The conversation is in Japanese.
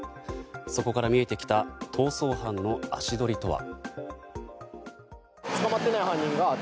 そこから見えてきた逃走犯の足取りとは。